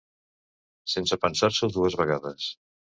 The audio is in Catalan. Sense pensar-s'ho dues vegades.